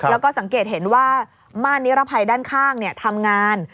แล้วก็สังเกตเห็นว่าม่านนิรภัยด้านข้างทำงาน